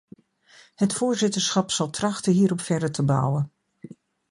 Het voorzitterschap zal trachten hierop verder te bouwen.